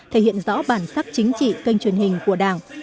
thể hiện rõ bản sắc chính trị kênh truyền hình của đảng